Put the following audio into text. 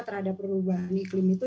terhadap perubahan iklim itu